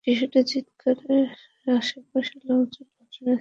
শিশুটির চিৎকারে আশপাশের লোকজন ঘটনাস্থলে ছুটে গেলে কোরব আলী পালিয়ে যান।